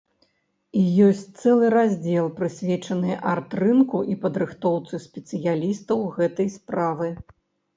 І ёсць цэлы раздзел, прысвечаны арт-рынку і падрыхтоўцы спецыялістаў гэтай справы.